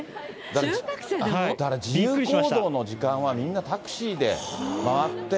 だから自由行動の時間はみんなタクシーで回って。